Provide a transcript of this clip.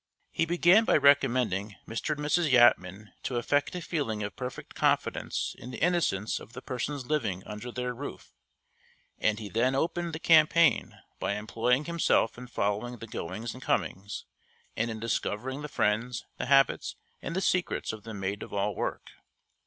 He began by recommending Mr. and Mrs. Yatman to affect a feeling of perfect confidence in the innocence of the persons living under their roof, and he then opened the campaign by employing himself in following the goings and comings, and in discovering the friends, the habits, and the secrets of the maid of all work.